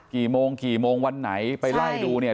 กี่โมงกี่โมงวันไหนไปไล่ดูเนี่ย